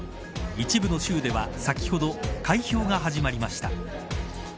一部の州では先ほど、開票が始まりました。